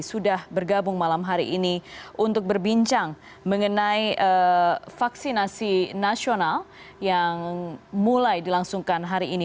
sudah bergabung malam hari ini untuk berbincang mengenai vaksinasi nasional yang mulai dilangsungkan hari ini